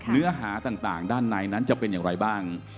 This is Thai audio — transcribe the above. เนื้อหาต่างด้านในนั้นจะเป็นอย่างไรบ้าง